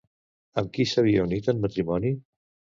Amb qui s'havia unit en matrimoni?